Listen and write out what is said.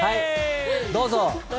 どうぞ。